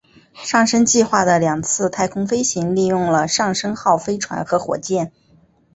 上升计划的两次太空飞行利用了上升号飞船和火箭。